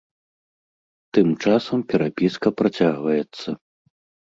Тым часам перапіска працягваецца.